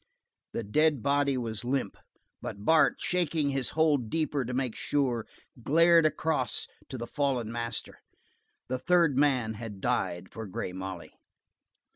The dead body was limp, but Bart, shaking his hold deeper to make sure, glared across to the fallen master. The third man had died for Grey Molly.